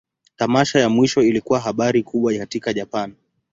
Tamasha ya mwisho ilikuwa habari kubwa katika Japan.